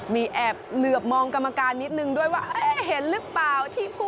มีแอบเหลือบมองกรรมการนิดหนึ่งด้วยว่า